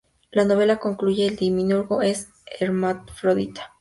La novela concluye: "El demiurgo es hermafrodita".